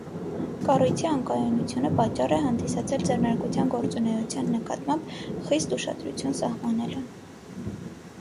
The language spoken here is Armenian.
Կառույցի անկայունությունը պատճառ է հանդիսացել ձեռնարկության գործունեության նկատմամբ խիստ ուշադրություն սահմանելուն։